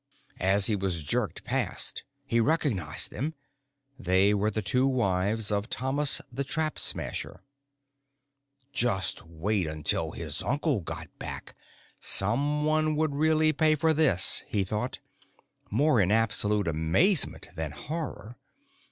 As he was jerked past, he recognized them. They were the two wives of Thomas the Trap Smasher. Just wait until his uncle got back! Someone would really pay for this, he thought, more in absolute amazement than horror.